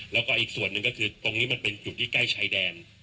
แล้วก็อีกส่วนหนึ่งก็คือตรงนี้มันเป็นจุดที่ใกล้ชายแดน